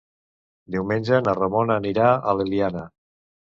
Diumenge na Ramona anirà a l'Eliana.